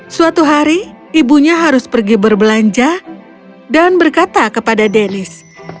suatu hari ibunya harus pergi berbelanja dan berkata kepada denis